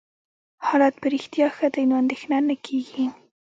حالت په رښتیا ښه دی، نو اندېښنه نه کېږي.